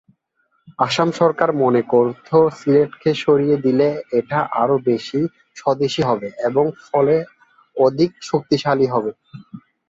আসাম সরকার মনে করত সিলেট কে সরিয়ে দিলে এটা আরো বেশি স্বদেশী হবে এবং ফলে অধিক শক্তিশালী হবে।